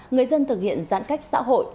người dân thực hiện giãn cách xã hội